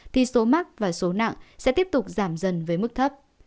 thì số mắc và số nặng sẽ tiếp tục giảm dần với mức thấp